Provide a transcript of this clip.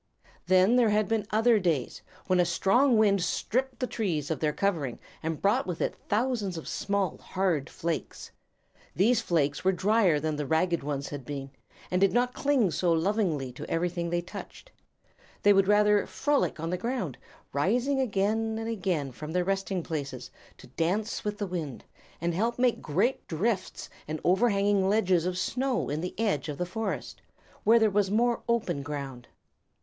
Then there had been other days, when a strong wind stripped the trees of their covering, and brought with it thousands of small, hard flakes. These flakes were drier than the ragged ones had been, and did not cling so lovingly to everything they touched. They would rather frolic on the ground, rising again and again from their resting places to dance around with the wind, and help make great drifts and overhanging ledges of snow in the edge of the Forest, where there was more open ground.